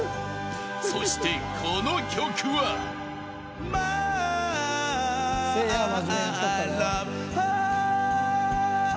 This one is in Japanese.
［そしてこの曲は］でも。